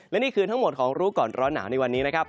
และนี่คือทั้งหมดของรู้ก่อนร้อนหนาวในวันนี้นะครับ